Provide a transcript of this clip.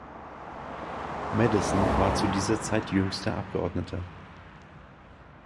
Madison war zu dieser Zeit jüngster Abgeordneter.